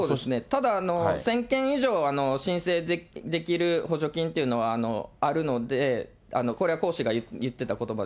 ただ１０００件以上申請できる補助金というのはあるので、これは１０００件？